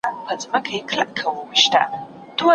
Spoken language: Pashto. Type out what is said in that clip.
بېلابېل نظرونه باید واورېدل سي.